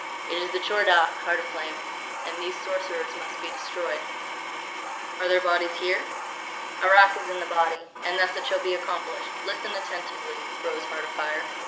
It is the Tchor Dagh, Heart of Flame. And these Sorcerers must be destroyed." "Are their bodies here?" "Arrak is in the body. And thus it shall be accomplished: listen attentively, Rose Heart Afire!